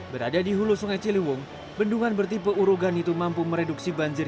berada di hulu sungai ciliwung bendungan bertipe urogan itu mampu mereduksi banjir